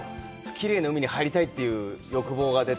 きれいな海に入りたいっていう欲望が出て。